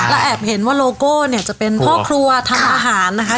และแอบเห็นว่าโลโก้เนี่ยจะเป็นพ่อครัวทำอาหารนะคะ